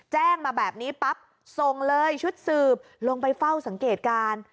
แจ้งมาแบบนี้ปั๊บส่งเลยชุดสืบลงไปเฝ้าสังเกตการ